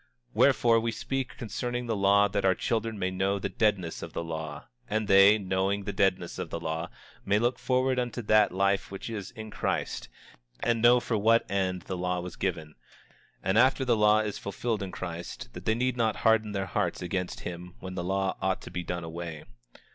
25:27 Wherefore, we speak concerning the law that our children may know the deadness of the law; and they, by knowing the deadness of the law, may look forward unto that life which is in Christ, and know for what end the law was given. And after the law is fulfilled in Christ, that they need not harden their hearts against him when the law ought to be done away.